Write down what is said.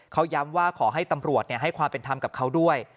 เขาย้ำว่าขอให้ตำรวจให้ความเป็นธรรมกับเขาด้วย